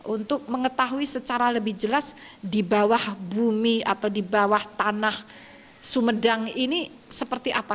untuk mengetahui secara lebih jelas di bawah bumi atau di bawah tanah sumedang ini seperti apa